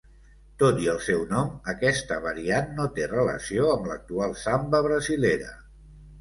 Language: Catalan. Tot i el seu nom, aquesta variant no té relació amb l'actual samba brasilera.